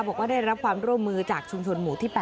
บอกว่าได้รับความร่วมมือจากชุมชนหมู่ที่๘